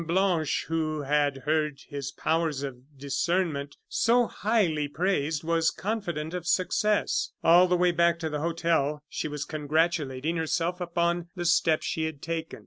Blanche, who had heard his powers of discernment so highly praised, was confident of success. All the way back to the hotel she was congratulating herself upon the step she had taken.